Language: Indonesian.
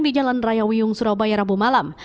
di jalan raya wiyung surabaya rabu malam